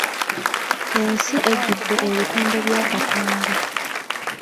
Ensi ejjudde ebitonde bya Katonda.